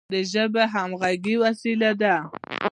ژبه د همږغی وسیله ده.